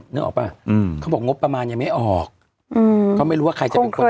นึกออกป่ะอืมเขาบอกงบประมาณยังไม่ออกอืมเขาไม่รู้ว่าใครจะเป็นคน